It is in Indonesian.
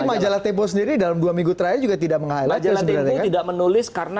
tapi majalah tempo sendiri dalam dua minggu terakhir juga tidak meng highlight aja sebenarnya kan